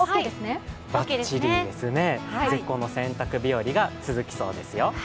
バッチリですね、絶好の洗濯日和が続きそうですよ。